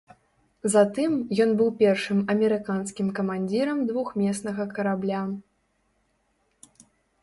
Затым ён быў першым амерыканскім камандзірам двухмеснага карабля.